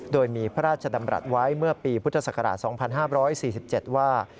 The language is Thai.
โดยมีพระราชดำรัฐไว้เมื่อปีพุทธศักราช๒๕๔๗ว่า